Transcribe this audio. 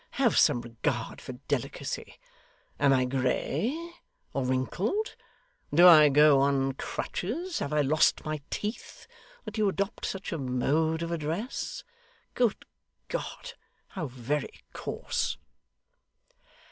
Have some regard for delicacy. Am I grey, or wrinkled, do I go on crutches, have I lost my teeth, that you adopt such a mode of address? Good God, how very coarse!